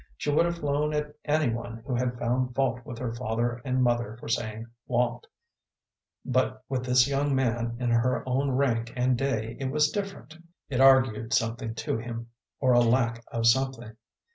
She would have flown at any one who had found fault with her father and mother for saying "wa'n't," but with this young man in her own rank and day it was different. It argued something in him, or a lack of something.